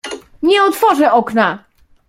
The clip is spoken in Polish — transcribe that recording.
"Nie otworzę okna!"